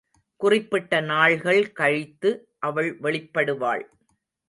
குறிப்பிட்ட நாள்கள் கழித்து அவள் வெளிப்படுவாள்.